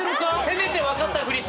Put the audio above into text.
せめて分かったふり。